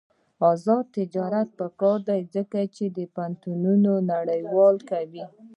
آزاد تجارت مهم دی ځکه چې پوهنتونونه نړیوال کوي.